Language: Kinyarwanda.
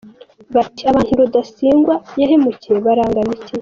Bati abantu Rudasingwa yahemukiye barangana iki ?